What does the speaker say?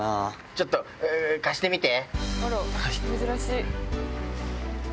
ちょっと貸してみて。